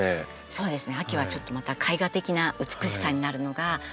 そうですね。